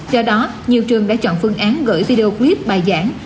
do đó nhiều trường đã chọn phương án gửi video clip bài giảng